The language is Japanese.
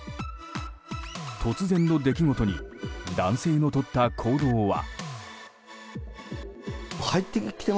突然の出来事に男性のとった行動は。